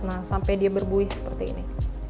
nah sampai dia berbuih seperti ini